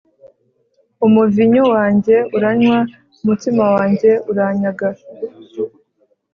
umuvinyu wanjye uranywa, umutsima wanjye uranyaga.